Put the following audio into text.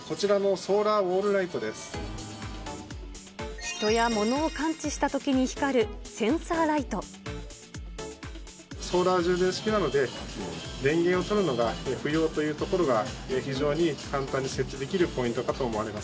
ソーラー充電式なので、電源を取るのが不要というところが非常に簡単に設置できるポイントかと思われます。